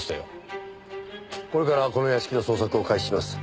これからこの屋敷の捜索を開始します。